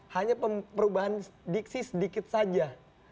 hanya perubahan diksi sedikit saja